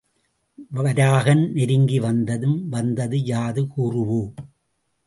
வராகன் நெருங்கி வந்ததும், வந்தது யாது கூறவோ?